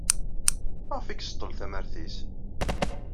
Maɣef ay iseḍḍel tamart-nnes?